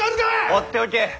放っておけ。